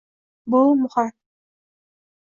Bu muhim.